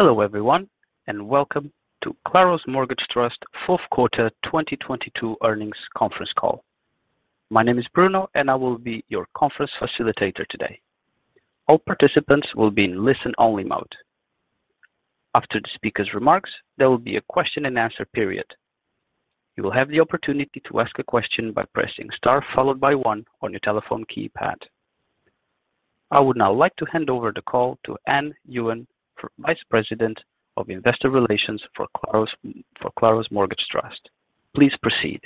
Hello everyone, welcome to Claros Mortgage Trust 4th quarter 2022 earnings conference call. My name is Bruno, I will be your conference facilitator today. All participants will be in listen-only mode. After the speaker's remarks, there will be a question and answer period. You will have the opportunity to ask a question by pressing star followed by 1 on your telephone keypad. I would now like to hand over the call to Anh Huynh, Vice President of Investor Relations for Claros Mortgage Trust. Please proceed.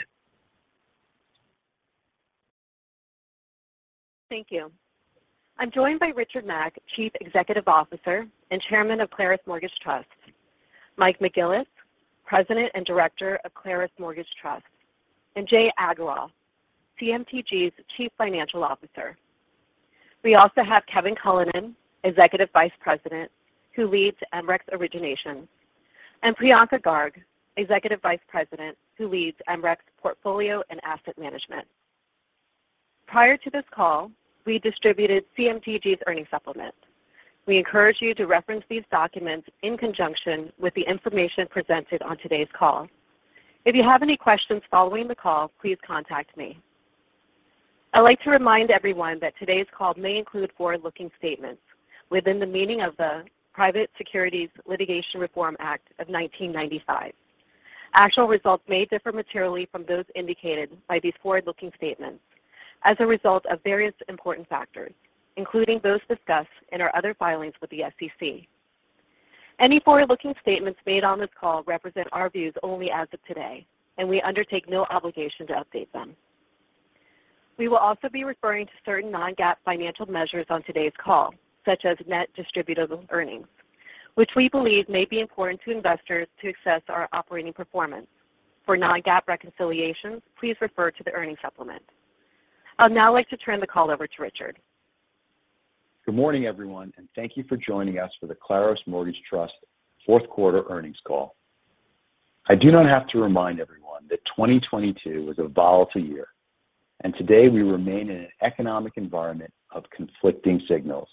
Thank you. I'm joined by Richard Mack, Chief Executive Officer and Chairman of Claros Mortgage Trust, Mike McGillis, President and Director of Claros Mortgage Trust, and Jai Agarwal, CMTG's Chief Financial Officer. We also have Kevin Cullinan, Executive Vice President, who leads MRECS Origination, and Priyanka Garg, Executive Vice President, who leads MRECS Portfolio and Asset Management. Prior to this call, we distributed CMTG's earnings supplement. We encourage you to reference these documents in conjunction with the information presented on today's call. If you have any questions following the call, please contact me. I'd like to remind everyone that today's call may include forward-looking statements within the meaning of the Private Securities Litigation Reform Act of 1995. Actual results may differ materially from those indicated by these forward-looking statements as a result of various important factors, including those discussed in our other filings with the SEC. Any forward-looking statements made on this call represent our views only as of today, and we undertake no obligation to update them. We will also be referring to certain non-GAAP financial measures on today's call, such as Net distributable earnings, which we believe may be important to investors to assess our operating performance. For non-GAAP reconciliations, please refer to the earnings supplement. I'd now like to turn the call over to Richard. Good morning, everyone, and thank you for joining us for the Claros Mortgage Trust fourth quarter earnings call. I do not have to remind everyone that 2022 was a volatile year, and today we remain in an economic environment of conflicting signals.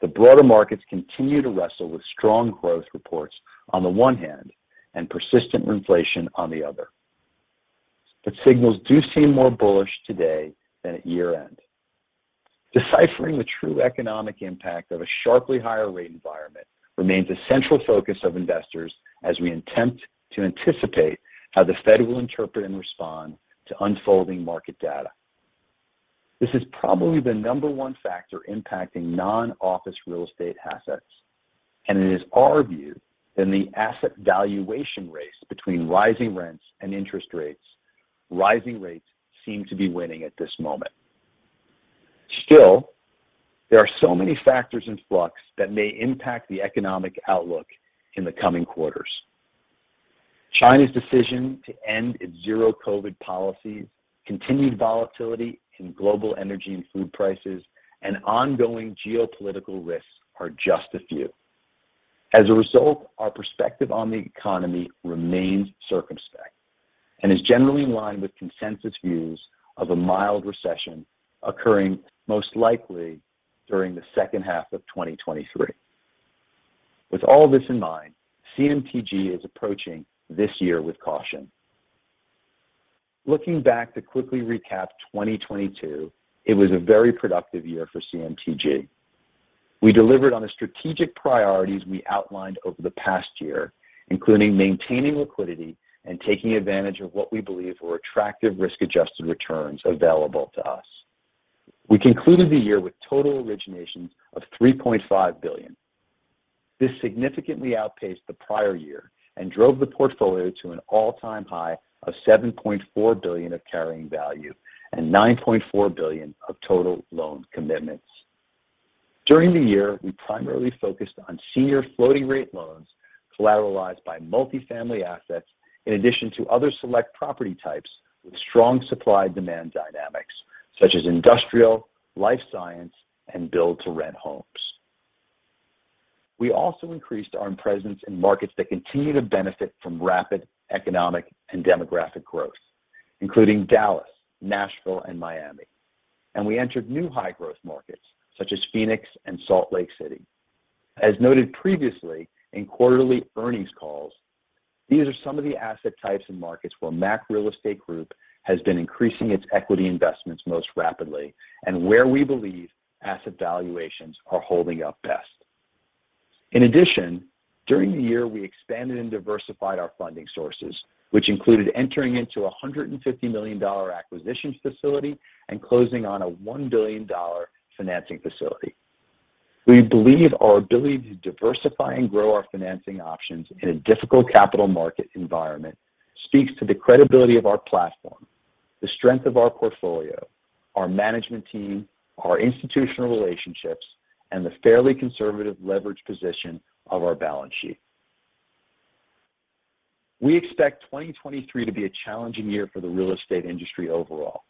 The broader markets continue to wrestle with strong growth reports on the one hand and persistent inflation on the other. Signals do seem more bullish today than at year-end. Deciphering the true economic impact of a sharply higher rate environment remains a central focus of investors as we attempt to anticipate how the Fed will interpret and respond to unfolding market data. This is probably the number one factor impacting non-office real estate assets, and it is our view that in the asset valuation race between rising rents and interest rates, rising rates seem to be winning at this moment. There are so many factors in flux that may impact the economic outlook in the coming quarters. China's decision to end its zero COVID policies, continued volatility in global energy and food prices, and ongoing geopolitical risks are just a few. Our perspective on the economy remains circumspect and is generally in line with consensus views of a mild recession occurring most likely during the second half of 2023. With all this in mind, CMTG is approaching this year with caution. Looking back to quickly recap 2022, it was a very productive year for CMTG. We delivered on the strategic priorities we outlined over the past year, including maintaining liquidity and taking advantage of what we believe were attractive risk-adjusted returns available to us. We concluded the year with total originations of $3.5 billion. This significantly outpaced the prior year and drove the portfolio to an all-time high of $7.4 billion of carrying value and $9.4 billion of total loan commitments. During the year, we primarily focused on senior floating-rate loans collateralized by multi-family assets in addition to other select property types with strong supply-demand dynamics, such as industrial, life science, and build-to-rent homes. We also increased our presence in markets that continue to benefit from rapid economic and demographic growth, including Dallas, Nashville, and Miami. We entered new high-growth markets such as Phoenix and Salt Lake City. As noted previously in quarterly earnings calls, these are some of the asset types and markets where Mack Real Estate Group has been increasing its equity investments most rapidly and where we believe asset valuations are holding up best. In addition, during the year, we expanded and diversified our funding sources, which included entering into a $150 million acquisitions facility and closing on a $1 billion financing facility. We believe our ability to diversify and grow our financing options in a difficult capital market environment speaks to the credibility of our platform, the strength of our portfolio, our management team, our institutional relationships, and the fairly conservative leverage position of our balance sheet. We expect 2023 to be a challenging year for the real estate industry overall.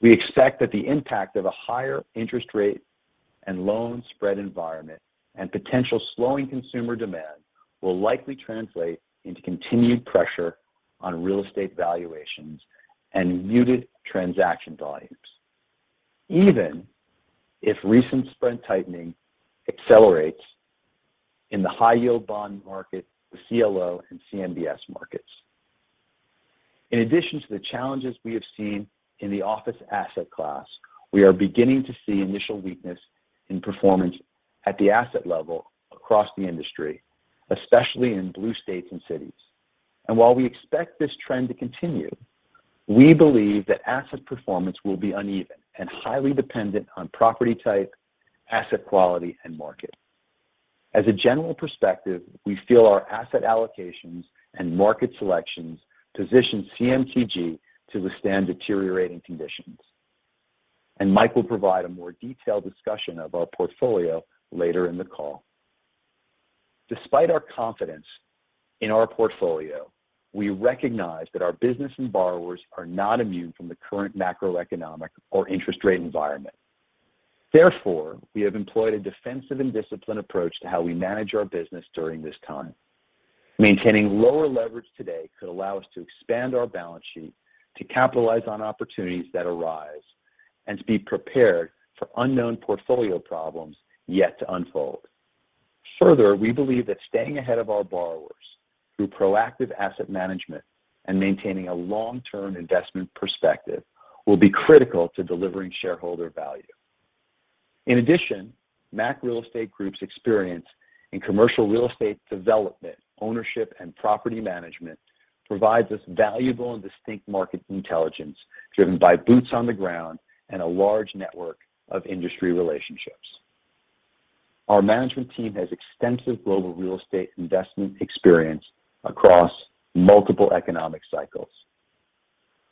We expect that the impact of a higher interest rate and loan spread environment and potential slowing consumer demand will likely translate into continued pressure on real estate valuations and muted transaction volumes. Even if recent spread tightening accelerates in the high yield bond market, the CLO and CMBS markets. In addition to the challenges we have seen in the office asset class, we are beginning to see initial weakness in performance at the asset level across the industry, especially in blue states and cities. While we expect this trend to continue, we believe that asset performance will be uneven and highly dependent on property type, asset quality and market. As a general perspective, we feel our asset allocations and market selections position CMTG to withstand deteriorating conditions. Mike will provide a more detailed discussion of our portfolio later in the call. Despite our confidence in our portfolio, we recognize that our business and borrowers are not immune from the current macroeconomic or interest rate environment. We have employed a defensive and disciplined approach to how we manage our business during this time. Maintaining lower leverage today could allow us to expand our balance sheet to capitalize on opportunities that arise and to be prepared for unknown portfolio problems yet to unfold. Further, we believe that staying ahead of our borrowers through proactive asset management and maintaining a long-term investment perspective will be critical to delivering shareholder value. In addition, Mack Real Estate Group's experience in commercial real estate development, ownership, and property management provides us valuable and distinct market intelligence driven by boots on the ground and a large network of industry relationships. Our management team has extensive global real estate investment experience across multiple economic cycles.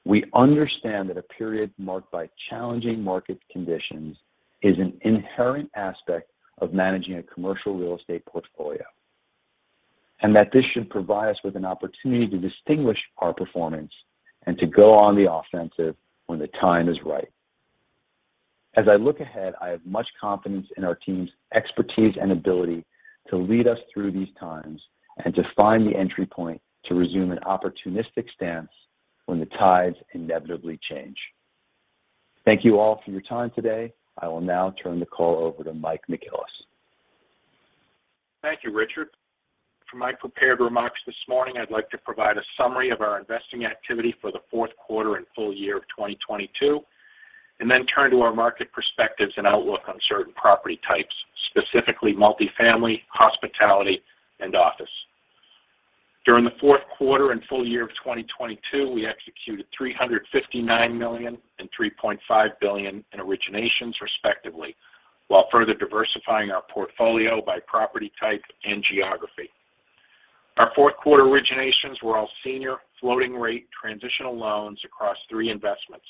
We understand that a period marked by challenging market conditions is an inherent aspect of managing a commercial real estate portfolio, and that this should provide us with an opportunity to distinguish our performance and to go on the offensive when the time is right. As I look ahead, I have much confidence in our team's expertise and ability to lead us through these times and to find the entry point to resume an opportunistic stance when the tides inevitably change. Thank you all for your time today. I will now turn the call over to Mike McGillis. Thank you, Richard. For my prepared remarks this morning, I'd like to provide a summary of our investing activity for the fourth quarter and full year of 2022, then turn to our market perspectives and outlook on certain property types, specifically multifamily, hospitality, and office. During the fourth quarter and full year of 2022, we executed $359 million and $3.5 billion in originations respectively, while further diversifying our portfolio by property type and geography. Our fourth quarter originations were all senior floating rate transitional loans across three investments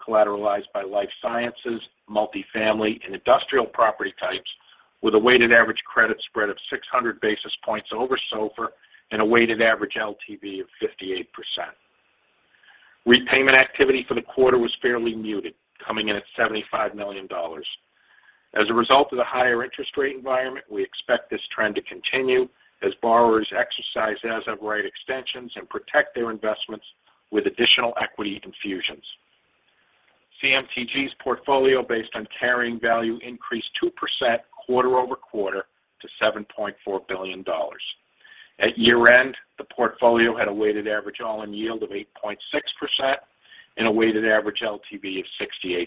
collateralized by life sciences, multifamily, and industrial property types with a weighted average credit spread of 600 basis points over SOFR and a weighted average LTV of 58%. Repayment activity for the quarter was fairly muted, coming in at $75 million. As a result of the higher interest rate environment, we expect this trend to continue as borrowers exercise as of right extensions and protect their investments with additional equity infusions. CMTG's portfolio based on carrying value increased 2% quarter-over-quarter to $7.4 billion. At year-end, the portfolio had a weighted average all-in yield of 8.6% and a weighted average LTV of 68%.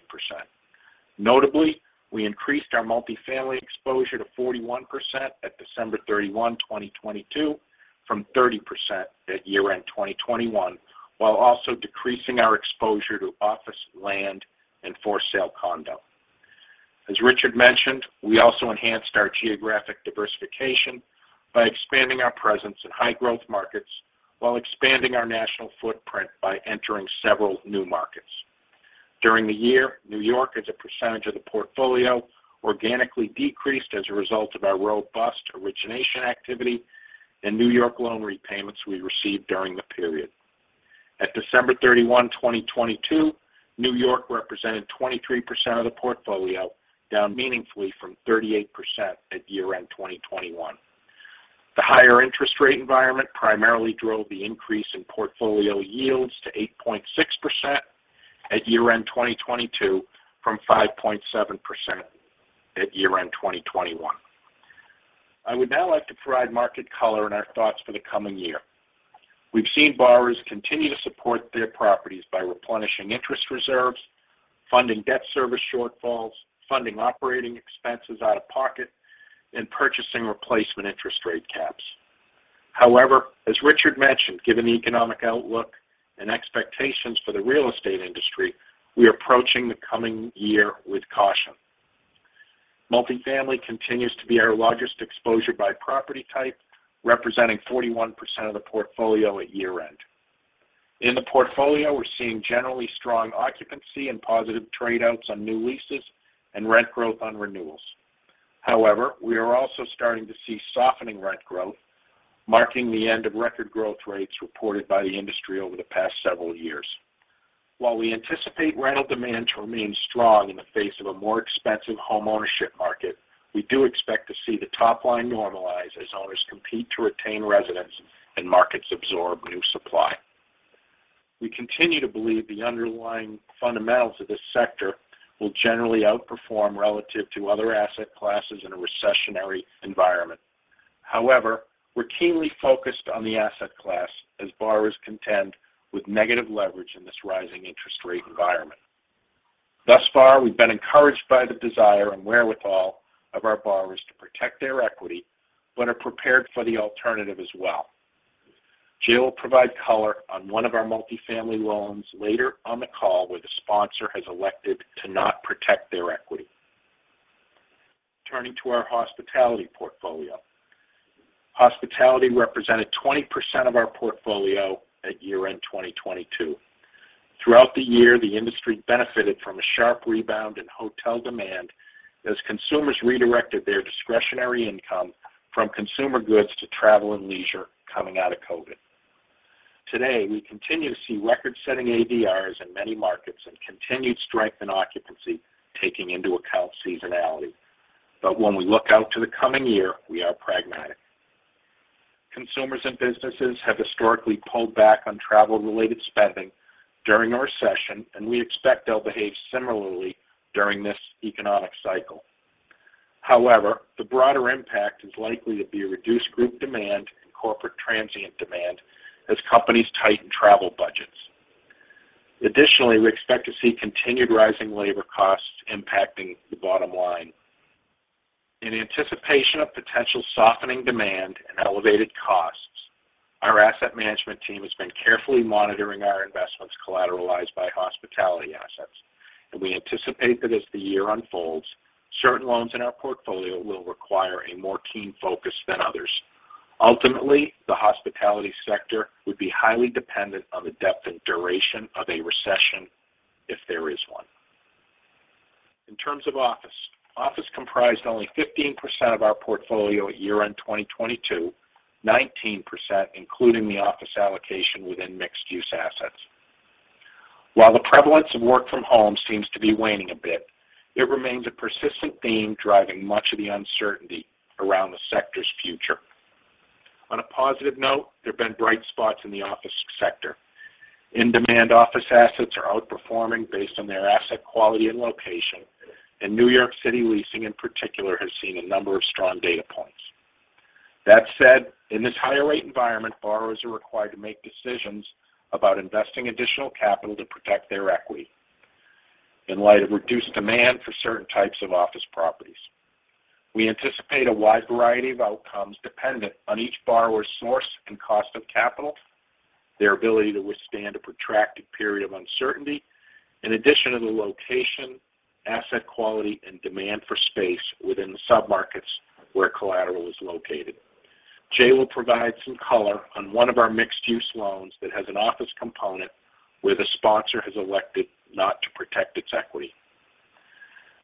Notably, we increased our multifamily exposure to 41% at December 31, 2022 from 30% at year-end 2021, while also decreasing our exposure to office, land and for sale condo. As Richard mentioned, we also enhanced our geographic diversification by expanding our presence in high growth markets while expanding our national footprint by entering several new markets. During the year, New York as a percentage of the portfolio organically decreased as a result of our robust origination activity and New York loan repayments we received during the period. At December 31, 2022, New York represented 23% of the portfolio, down meaningfully from 38% at year-end 2021. The higher interest rate environment primarily drove the increase in portfolio yields to 8.6% at year-end 2022 from 5.7% at year-end 2021. I would now like to provide market color and our thoughts for the coming year. We've seen borrowers continue to support their properties by replenishing interest reserves, funding debt service shortfalls, funding operating expenses out of pocket, and purchasing replacement interest rate caps. However, as Richard mentioned, given the economic outlook and expectations for the real estate industry, we are approaching the coming year with caution. Multifamily continues to be our largest exposure by property type, representing 41% of the portfolio at year-end. In the portfolio, we're seeing generally strong occupancy and positive trade outs on new leases and rent growth on renewals. However, we are also starting to see softening rent growth, marking the end of record growth rates reported by the industry over the past several years. While we anticipate rental demand to remain strong in the face of a more expensive homeownership market, we do expect to see the top line normalize as owners compete to retain residents and markets absorb new supply. We continue to believe the underlying fundamentals of this sector will generally outperform relative to other asset classes in a recessionary environment. However, we're keenly focused on the asset class as borrowers contend with negative leverage in this rising interest rate environment. Thus far, we've been encouraged by the desire and wherewithal of our borrowers to protect their equity, but are prepared for the alternative as well. Jai will provide color on one of our multi-family loans later on the call where the sponsor has elected to not protect their equity. Turning to our hospitality portfolio. Hospitality represented 20% of our portfolio at year-end 2022. Throughout the year, the industry benefited from a sharp rebound in hotel demand as consumers redirected their discretionary income from consumer goods to travel and leisure coming out of COVID. Today, we continue to see record-setting ADRs in many markets and continued strength in occupancy taking into account seasonality. When we look out to the coming year, we are pragmatic. Consumers and businesses have historically pulled back on travel-related spending during a recession, and we expect they'll behave similarly during this economic cycle. The broader impact is likely to be a reduced group demand and corporate transient demand as companies tighten travel budgets. Additionally, we expect to see continued rising labor costs impacting the bottom line. In anticipation of potential softening demand and elevated costs, our asset management team has been carefully monitoring our investments collateralized by hospitality assets. We anticipate that as the year unfolds, certain loans in our portfolio will require a more keen focus than others. Ultimately, the hospitality sector would be highly dependent on the depth and duration of a recession if there is one. In terms of office comprised only 15% of our portfolio at year-end 2022, 19% including the office allocation within mixed-use assets. While the prevalence of work from home seems to be waning a bit, it remains a persistent theme driving much of the uncertainty around the sector's future. On a positive note, there have been bright spots in the office sector. In-demand office assets are outperforming based on their asset quality and location, and New York City leasing in particular has seen a number of strong data points. That said, in this higher rate environment, borrowers are required to make decisions about investing additional capital to protect their equity in light of reduced demand for certain types of office properties. We anticipate a wide variety of outcomes dependent on each borrower's source and cost of capital, their ability to withstand a protracted period of uncertainty, in addition to the location, asset quality, and demand for space within the submarkets where collateral is located. Jai will provide some color on one of our mixed-use loans that has an office component where the sponsor has elected not to protect its equity.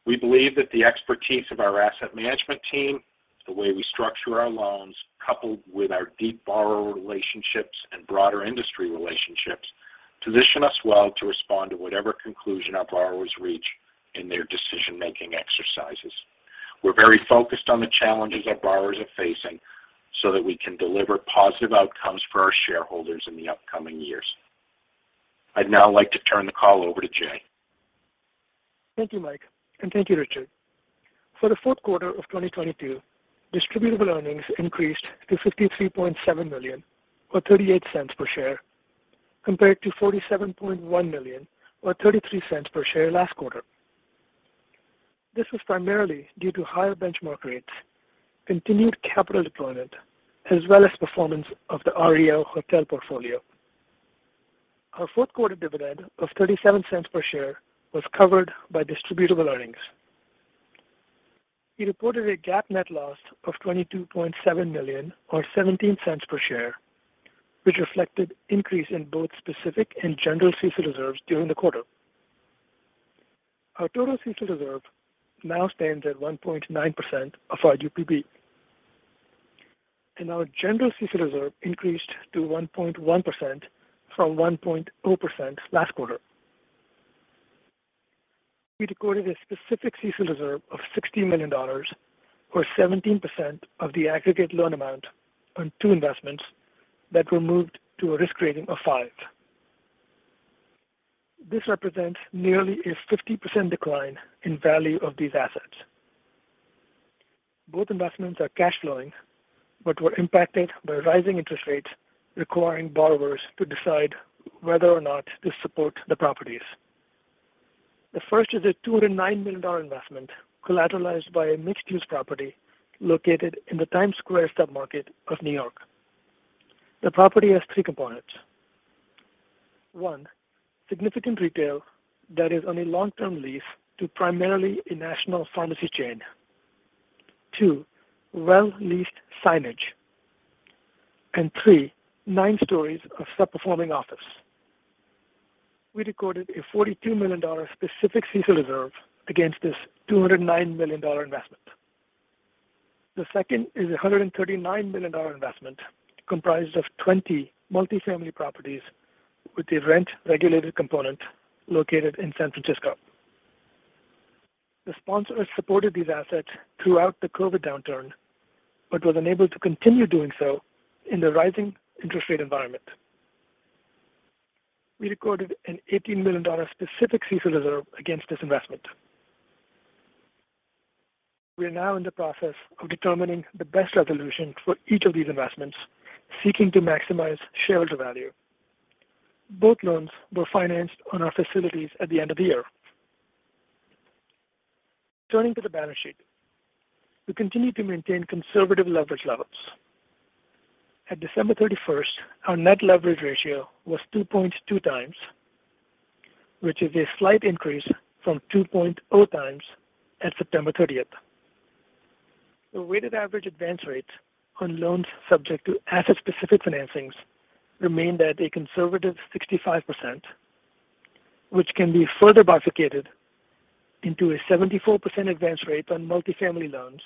We believe that the expertise of our asset management team, the way we structure our loans, coupled with our deep borrower relationships and broader industry relationships, position us well to respond to whatever conclusion our borrowers reach in their decision-making exercises. We're very focused on the challenges our borrowers are facing so that we can deliver positive outcomes for our shareholders in the upcoming years. I'd now like to turn the call over to Jai. Thank you, Mike, and thank you, Richard. For the fourth quarter of 2022, distributable earnings increased to $53.7 million or $0.38 per share compared to $47.1 million or $0.33 per share last quarter. This was primarily due to higher benchmark rates, continued capital deployment, as well as performance of the REO hotel portfolio. Our fourth quarter dividend of $0.37 per share was covered by distributable earnings. We reported a GAAP net loss of $22.7 million or $0.17 per share, which reflected increase in both specific and general CECL reserves during the quarter. Our total CECL reserve now stands at 1.9% of our UPB. Our general CECL reserve increased to 1.1% from 1.0% last quarter. We recorded a specific CECL reserve of $60 million or 17% of the aggregate loan amount on two investments that were moved to a risk rating of five. This represents nearly a 50% decline in value of these assets. Both investments are cash flowing, but were impacted by rising interest rates requiring borrowers to decide whether or not to support the properties. The first is a $209 million investment collateralized by a mixed-use property located in the Times Square submarket of New York. The property has three components. One, significant retail that is on a long-term lease to primarily a national pharmacy chain. Two, well-leased signage. Three, nine stories of sub-performing office. We recorded a $42 million specific CECL reserve against this $209 million investment. The second is a $139 million investment comprised of 20 multifamily properties with a rent-regulated component located in San Francisco. The sponsor has supported these assets throughout the COVID downturn, but was unable to continue doing so in the rising interest rate environment. We recorded an $18 million specific CECL reserve against this investment. We are now in the process of determining the best resolution for each of these investments, seeking to maximize shareholder value. Both loans were financed on our facilities at the end of the year. Turning to the balance sheet. We continue to maintain conservative leverage levels. At December 31st, our net leverage ratio was 2.2x, which is a slight increase from 2.0x at September 30th. The weighted average advance rate on loans subject to asset-specific financings remained at a conservative 65%, which can be further bifurcated into a 74% advance rate on multi-family loans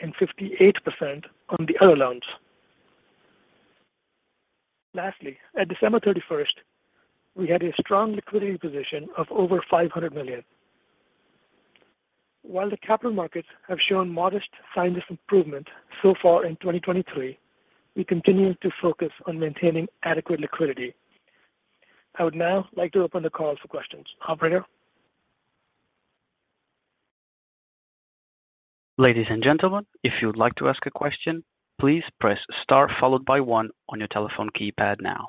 and 58% on the other loans. At December 31st, we had a strong liquidity position of over $500 million. The capital markets have shown modest signs of improvement so far in 2023, we continue to focus on maintaining adequate liquidity. I would now like to open the call for questions. Operator? Ladies and gentlemen, if you would like to ask a question, please press star followed by one on your telephone keypad now.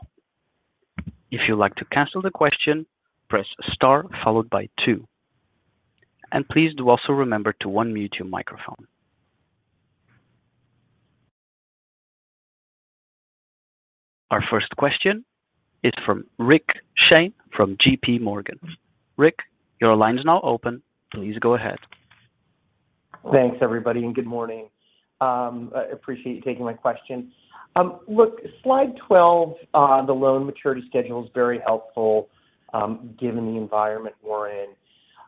If you'd like to cancel the question, press star followed by two. Please do also remember to unmute your microphone. Our first question is from Rick Shane from JPMorgan. Rick, your line is now open. Please go ahead. Thanks, everybody. Good morning. I appreciate you taking my question. Look, slide 12 on the loan maturity schedule is very helpful, given the environment we're in.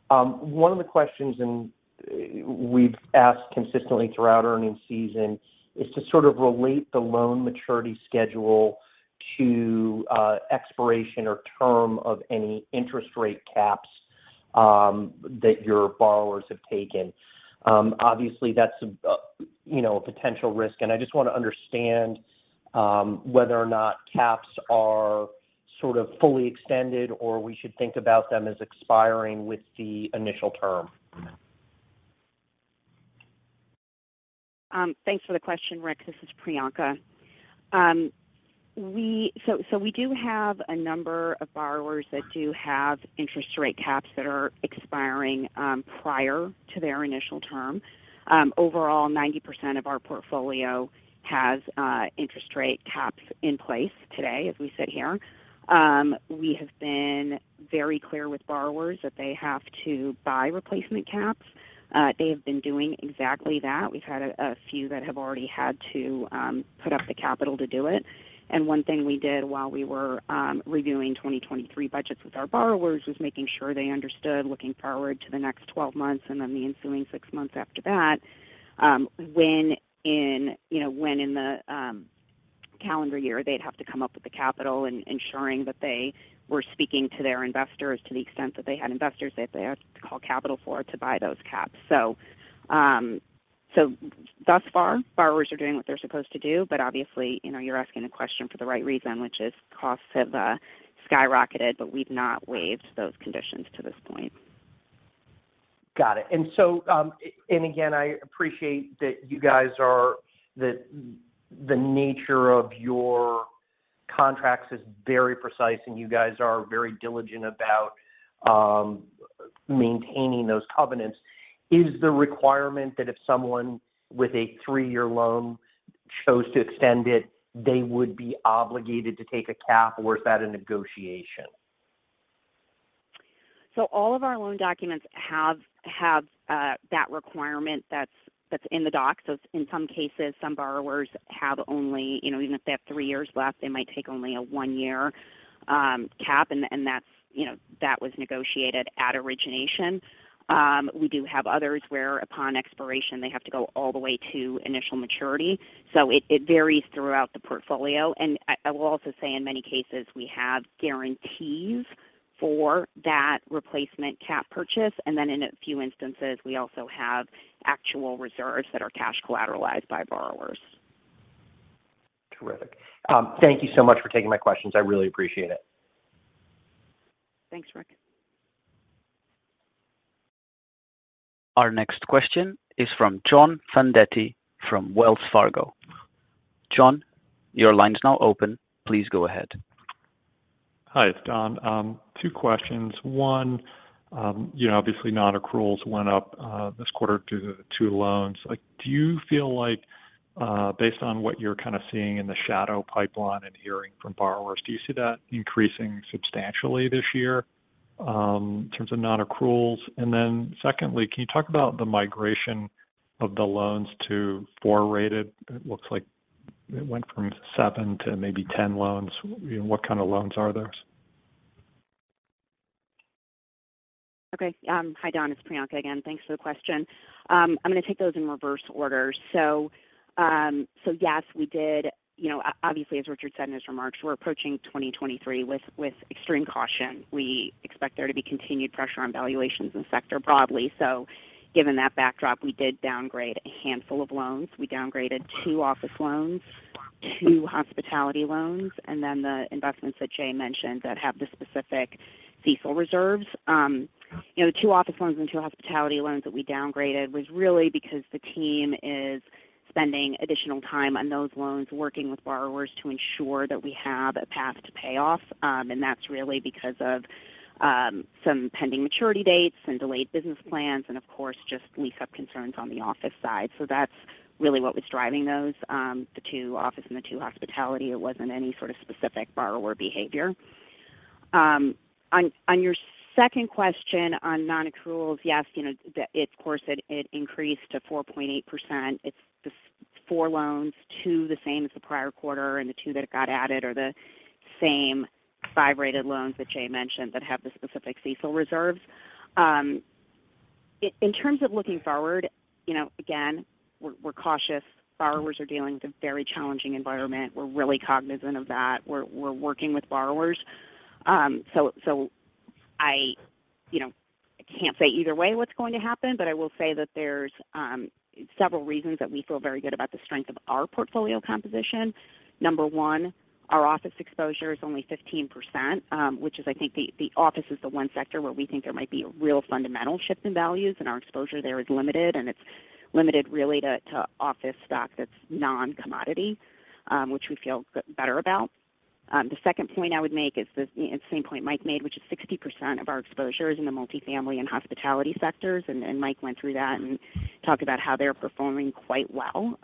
One of the questions and we've asked consistently throughout earning season is to sort of relate the loan maturity schedule to expiration or term of any interest rate caps that your borrowers have taken. Obviously, that's, you know, a potential risk, and I just wanna understand whether or not caps are sort of fully extended or we should think about them as expiring with the initial term. Thanks for the question, Rick. This is Priyanka. So we do have a number of borrowers that do have interest rate caps that are expiring prior to their initial term. Overall, 90% of our portfolio has interest rate caps in place today as we sit here. We have been very clear with borrowers that they have to buy replacement caps. They have been doing exactly that. We've had a few that have already had to put up the capital to do it. One thing we did while we were reviewing 2023 budgets with our borrowers was making sure they understood looking forward to the next 12 months and then the ensuing six months after that, when in, you know, when in the calendar year they'd have to come up with the capital and ensuring that they were speaking to their investors to the extent that they had investors that they had to call capital for to buy those caps. Thus far, borrowers are doing what they're supposed to do, but obviously, you know, you're asking a question for the right reason, which is costs have skyrocketed, but we've not waived those conditions to this point. Got it. Again, I appreciate that the nature of your contracts is very precise and you guys are very diligent about maintaining those covenants. Is the requirement that if someone with a three-year loan chose to extend it, they would be obligated to take a cap, or is that a negotiation? All of our loan documents have that requirement that's in the dock. In some cases, some borrowers have only, you know, even if they have three years left, they might take only a one-year cap, and that's, you know, that was negotiated at origination. We do have others where upon expiration, they have to go all the way to initial maturity. It varies throughout the portfolio. I will also say in many cases, we have guarantees for that replacement cap purchase. In a few instances, we also have actual reserves that are cash collateralized by borrowers. Terrific. Thank you so much for taking my questions. I really appreciate it. Thanks, Rick. Our next question is from Don Fandetti from Wells Fargo. Jon, your line is now open. Please go ahead. Hi, it's Don. Two questions. One, you know, obviously, non-accruals went up this quarter due to two loans. Like, do you feel like, based on what you're kind of seeing in the shadow pipeline and hearing from borrowers, do you see that increasing substantially this year in terms of non-accruals? Secondly, can you talk about the migration of the loans to four-rated? It looks like it went from seven to maybe 10 loans. You know, what kind of loans are those? Okay. hi, Don, it's Priyanka again. Thanks for the question. I'm gonna take those in reverse order. Yes, we did. You know, obviously, as Richard said in his remarks, we're approaching 2023 with extreme caution. We expect there to be continued pressure on valuations in the sector broadly. Given that backdrop, we did downgrade a handful of loans. We downgraded two office loans, two hospitality loans, and then the investments that Jai mentioned that have the specific CECL reserves. You know, the two office loans and two hospitality loans that we downgraded was really because the team is spending additional time on those loans, working with borrowers to ensure that we have a path to pay off. That's really because of some pending maturity dates and delayed business plans, and of course, just lease-up concerns on the office side. That's really what was driving those, the two office and the two hospitality. It wasn't any sort of specific borrower behavior. On your second question on non-accruals, yes, you know, of course, it increased to 4.8%. It's the four loans, two the same as the prior quarter, and the two that got added are the same five rated loans that Jai mentioned that have the specific CECL reserves. In terms of looking forward, you know, again, we're cautious. Borrowers are dealing with a very challenging environment. We're really cognizant of that. We're working with borrowers. I, you know, I can't say either way what's going to happen, but I will say that there's several reasons that we feel very good about the strength of our portfolio composition. Number one, our office exposure is only 15%, which is I think the office is the one sector where we think there might be a real fundamental shift in values, and our exposure there is limited, and it's limited really to office stock that's non-commodity, which we feel better about. The second point I would make is the, you know, same point Mike made, which is 60% of our exposure is in the multifamily and hospitality sectors. Mike went through that and talked about how they're performing quite well.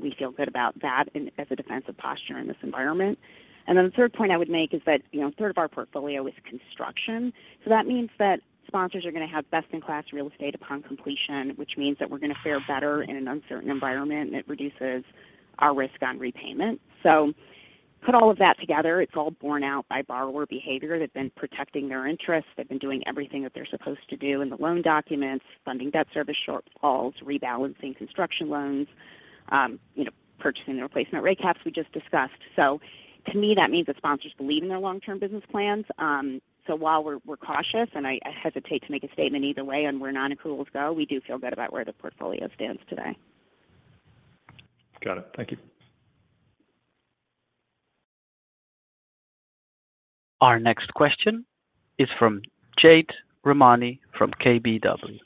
We feel good about that and as a defensive posture in this environment. The third point I would make is that, you know, a third of our portfolio is construction. That means that sponsors are gonna have best-in-class real estate upon completion, which means that we're gonna fare better in an uncertain environment, and it reduces our risk on repayment. Put all of that together, it's all borne out by borrower behavior. They've been protecting their interests. They've been doing everything that they're supposed to do in the loan documents, funding debt service shortfalls, rebalancing construction loans, you know, purchasing the replacement rate caps we just discussed. To me, that means that sponsors believe in their long-term business plans. While we're cautious, and I hesitate to make a statement either way on where non-accruals go, we do feel good about where the portfolio stands today. Got it. Thank it. Our next question is from Jade Rahmani from KBW.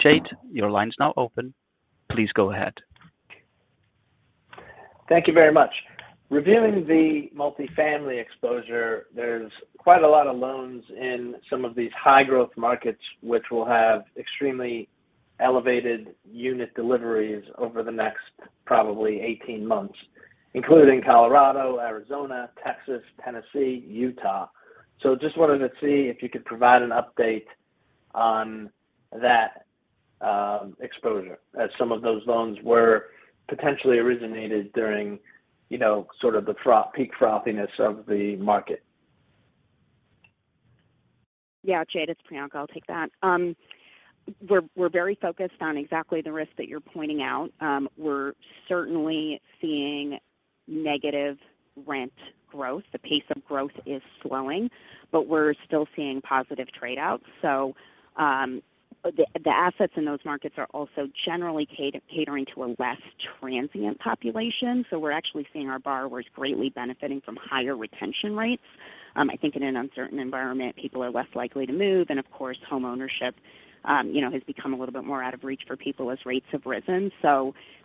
Jade, your line's now open. Please go ahead. Thank you very much. Reviewing the multifamily exposure, there's quite a lot of loans in some of these high-growth markets, which will have extremely elevated unit deliveries over the next probably 18 months, including Colorado, Arizona, Texas, Tennessee, Utah. Just wanted to see if you could provide an update on that exposure as some of those loans were potentially originated during, you know, sort of the peak frothiness of the market. Jade, it's Priyanka. I'll take that. We're very focused on exactly the risk that you're pointing out. We're certainly seeing negative rent growth. The pace of growth is slowing, but we're still seeing positive trade-outs. The assets in those markets are also generally catering to a less transient population, so we're actually seeing our borrowers greatly benefiting from higher retention rates. I think in an uncertain environment, people are less likely to move, and of course, homeownership, you know, has become a little bit more out of reach for people as rates have risen.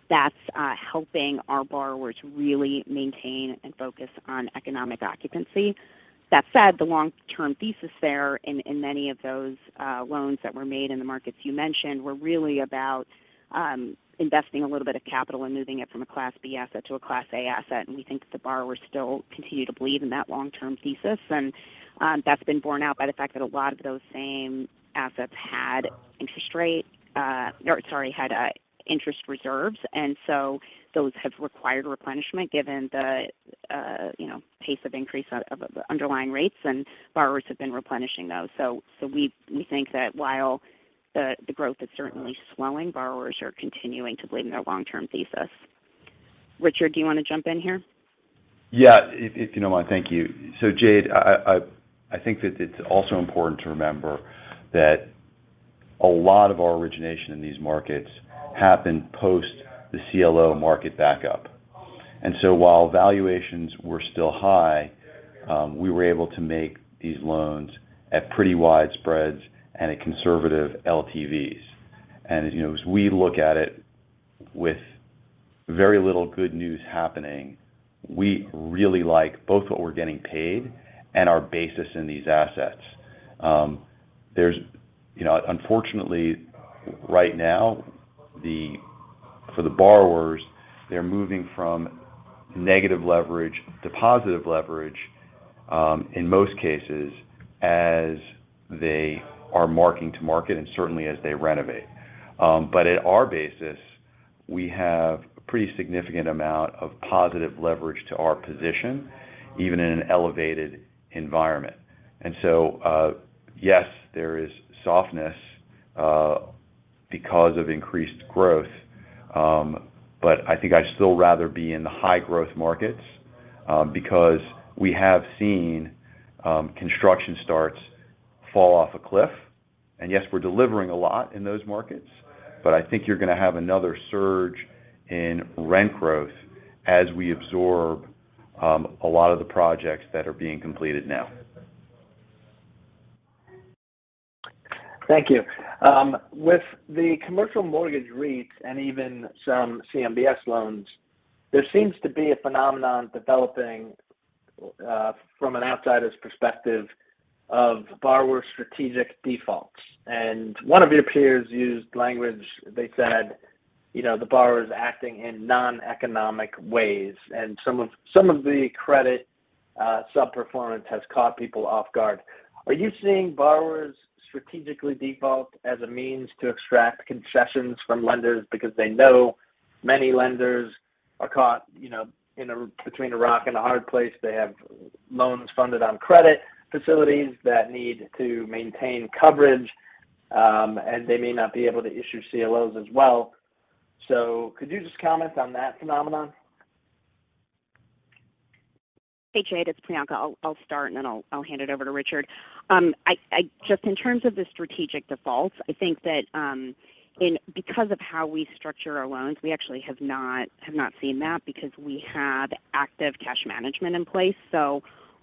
That's helping our borrowers really maintain and focus on economic occupancy. That said, the long-term thesis there in many of those loans that were made in the markets you mentioned were really about investing a little bit of capital and moving it from a Class B asset to a Class A asset, and we think that the borrowers still continue to believe in that long-term thesis. That's been borne out by the fact that a lot of those same assets had interest rate or had interest reserves. Those have required replenishment given the, you know, pace of increase of underlying rates, and borrowers have been replenishing those. We think that while the growth is certainly slowing, borrowers are continuing to believe in their long-term thesis. Richard, do you wanna jump in here? Yeah, if you don't mind. Thank you. Jade, I think that it's also important to remember that a lot of our origination in these markets happened post the CLO market backup. While valuations were still high, we were able to make these loans at pretty wide spreads and at conservative LTVs. You know, as we look at it with very little good news happening, we really like both what we're getting paid and our basis in these assets. There's, you know, unfortunately, right now, for the borrowers, they're moving from negative leverage to positive leverage, in most cases as they are marking to market and certainly as they renovate. At our basis. We have a pretty significant amount of positive leverage to our position, even in an elevated environment. Yes, there is softness because of increased growth. I think I'd still rather be in the high-growth markets because we have seen construction starts fall off a cliff. Yes, we're delivering a lot in those markets, but I think you're gonna have another surge in rent growth as we absorb a lot of the projects that are being completed now. Thank you. With the commercial mortgage REITs and even some CMBS loans, there seems to be a phenomenon developing from an outsider's perspective of borrower strategic defaults. One of your peers used language, they said, you know, the borrower is acting in noneconomic ways, and some of the credit sub-performance has caught people off guard. Are you seeing borrowers strategically default as a means to extract concessions from lenders because they know many lenders are caught, you know, between a rock and a hard place. They have loans funded on credit facilities that need to maintain coverage, and they may not be able to issue CLOs as well. Could you just comment on that phenomenon? Hey, Jade, it's Priyanka. I'll start and then I'll hand it over to Richard. Just in terms of the strategic defaults, I think that because of how we structure our loans, we actually have not seen that because we have active cash management in place.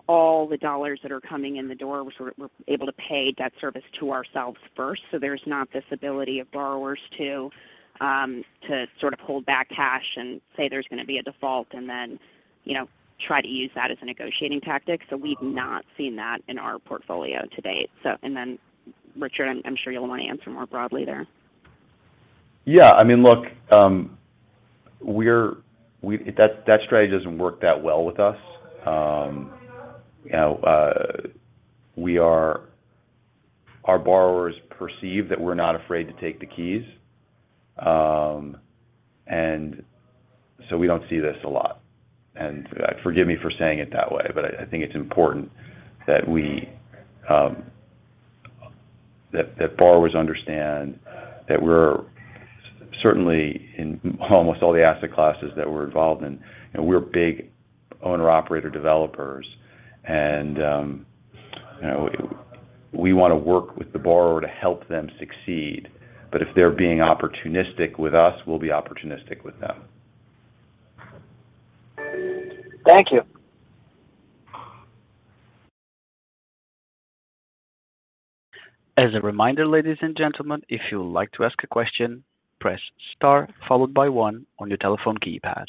All the dollars that are coming in the door, we're able to pay debt service to ourselves first. There's not this ability of borrowers to sort of hold back cash and say there's gonna be a default and then, you know, try to use that as a negotiating tactic. We've not seen that in our portfolio to date. Then, Richard, I'm sure you'll want to answer more broadly there. Yeah. I mean, look, That strategy doesn't work that well with us. You know, Our borrowers perceive that we're not afraid to take the keys. We don't see this a lot. Forgive me for saying it that way, but I think it's important that we, that borrowers understand that we're certainly in almost all the asset classes that we're involved in, and we're big owner/operator developers. You know, we wanna work with the borrower to help them succeed. If they're being opportunistic with us, we'll be opportunistic with them. Thank you. As a reminder, ladies and gentlemen, if you would like to ask a question, press star followed by one on your telephone keypad.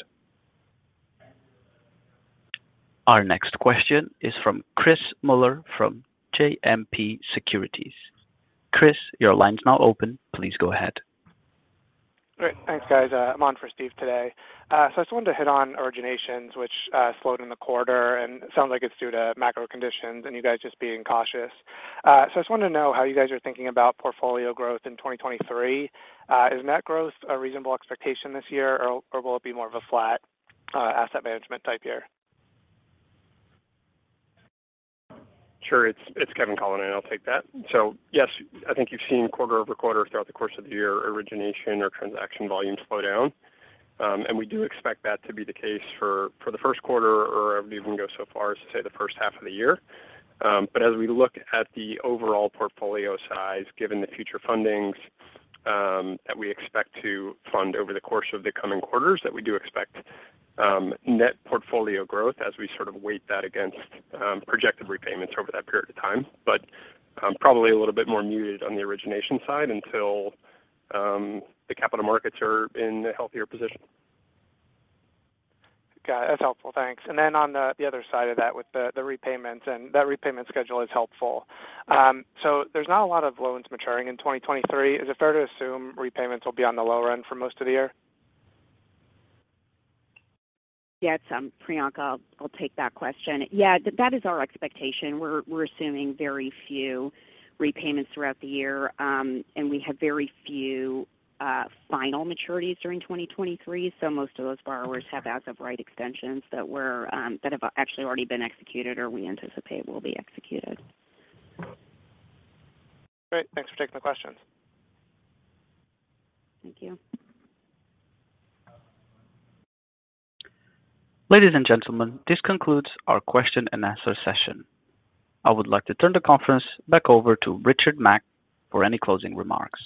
Our next question is from Chris Mueller from JMP Securities. Chris, your line is now open. Please go ahead. Great. Thanks, guys. I'm on for Steve today. I just wanted to hit on originations, which slowed in the quarter, and it sounds like it's due to macro conditions and you guys just being cautious. I just wanted to know how you guys are thinking about portfolio growth in 2023. Is net growth a reasonable expectation this year or will it be more of a flat asset management type year? Sure. It's Kevin calling in, I'll take that. Yes, I think you've seen quarter-over-quarter throughout the course of the year, origination or transaction volume slow down. We do expect that to be the case for the first quarter or maybe even go so far as to say the first half of the year. As we look at the overall portfolio size, given the future fundings, that we expect to fund over the course of the coming quarters, that we do expect net portfolio growth as we sort of weight that against projected repayments over that period of time. Probably a little bit more muted on the origination side until the capital markets are in a healthier position. Got it. That's helpful. Thanks. On the other side of that with the repayments, and that repayment schedule is helpful. There's not a lot of loans maturing in 2023. Is it fair to assume repayments will be on the low end for most of the year? Yes. Priyanka. I'll take that question. That is our expectation. We're assuming very few repayments throughout the year, and we have very few final maturities during 2023. Most of those borrowers have as of right extensions that have actually already been executed or we anticipate will be executed. Great. Thanks for taking the questions. Thank you. Ladies and gentlemen, this concludes our question and answer session. I would like to turn the conference back over to Richard Mack for any closing remarks.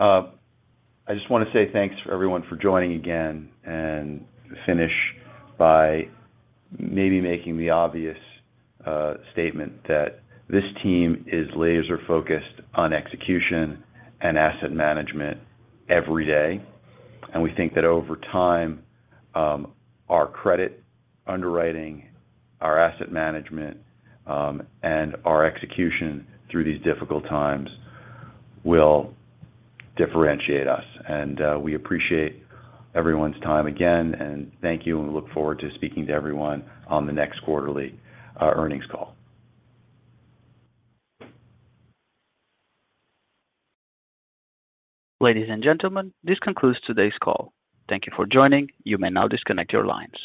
I just wanna say thanks for everyone for joining again and finish by maybe making the obvious statement that this team is laser-focused on execution and asset management every day. We think that over time, our credit underwriting, our asset management, and our execution through these difficult times will differentiate us. We appreciate everyone's time again, thank you, we look forward to speaking to everyone on the next quarterly earnings call. Ladies and gentlemen, this concludes today's call. Thank you for joining. You may now disconnect your lines.